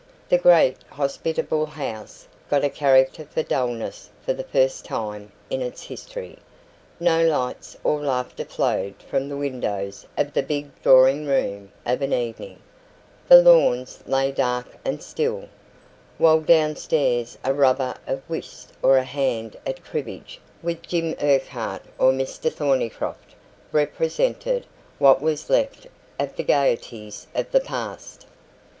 The great, hospitable house got a character for dullness for the first time in its history. No lights or laughter flowed from the windows of the big drawing room of an evening; the lawns lay dark and still, while downstairs a rubber of whist or a hand at cribbage with Jim Urquhart or Mr Thornycroft represented what was left of the gaieties of the past.